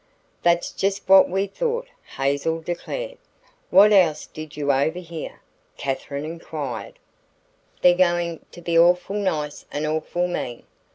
"That's just what we thought," Hazel declared. "What else did you overhear?" Katherine inquired. "They're goin' to be awful nice and awful mean."